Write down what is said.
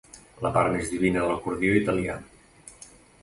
La part més divina de l'acordió italià.